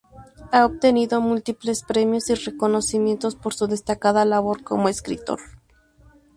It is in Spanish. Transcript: Ha obtenido múltiples premios y reconocimientos por su destacada labor como escritor.